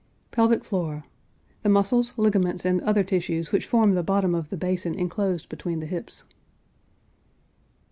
PELVIC FLOOR. The muscles, ligaments, and other tissues which form the bottom of the basin inclosed between the hips.